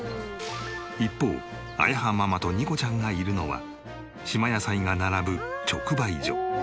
一方あやはママとにこちゃんがいるのは島野菜が並ぶ直売所。